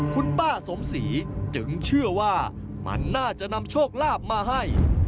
คุณป้าสมศรีจึงเชื่อว่ามันน่าจะนำโชคลาภมาให้